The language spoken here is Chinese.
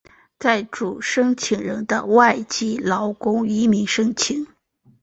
在主申请人的外籍劳工移民申请。